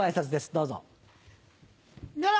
どうぞ。